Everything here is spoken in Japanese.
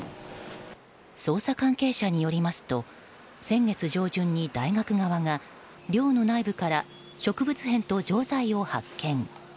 捜査関係者によりますと先月上旬に大学側が寮の内部から植物片と錠剤を発見。